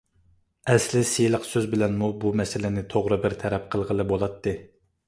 ئەسلى سىلىق سۆز بىلەنمۇ بۇ مەسىلىنى توغرا بىر تەرەپ قىلغىلى بولاتتى.